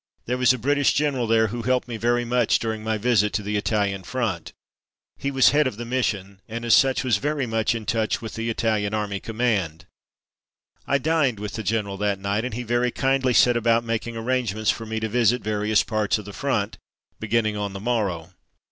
There was a British general there who helped me very much during my visit to the On to Udine 213 Italian front. He was head of the Mission, and as such was very much in touch with the Italian Army Command. I dined with the general that night, and he very kindly set about making arrangements for me to visit various parts of the front, beginning on the morrow.